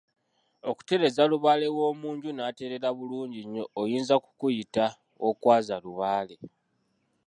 Okutereeza Lubaale w’omu nju n’atereera bulungi nnyo oyinza ku okuyita Okwaaza Lubaale.